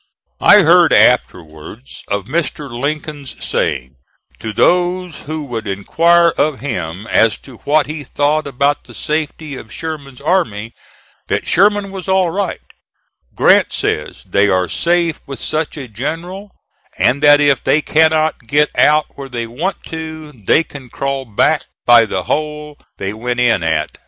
I heard afterwards of Mr. Lincoln's saying, to those who would inquire of him as to what he thought about the safety of Sherman's army, that Sherman was all right: "Grant says they are safe with such a general, and that if they cannot get out where they want to, they can crawl back by the hole they went in at."